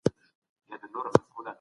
له لرغوني زمانې رانیولې.